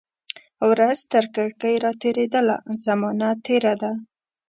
ورځ ترکړکۍ را تیریدله، زمانه تیره ده